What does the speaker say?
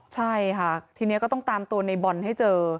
ใช่ค่ะทีนี้ก็ต้องตามตัวในบอลให้เจอ